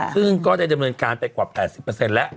ซึ่งก็ได้ดำเนินการไปกว่า๘๐แล้ว